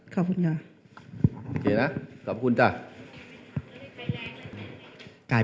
ขอบคุณค่ะ